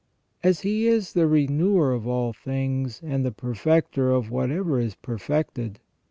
* As He is the renewer of all things, and the perfecter of whatever is per fected.